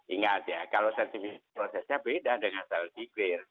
ingat ya kalau prosesnya beda dengan self declare